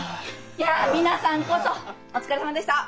いや皆さんこそお疲れさまでした。